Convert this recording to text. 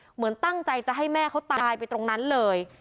เหมือนตั้งใจจะให้แม่เขาตายไปตรงนั้นเลย